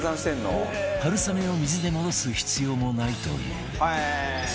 春雨を水で戻す必要もないという